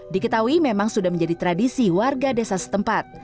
diketahui memang sudah menjadi tradisi warga desa setempat